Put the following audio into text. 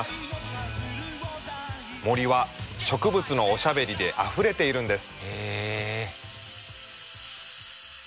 森は植物のおしゃべりであふれているんです。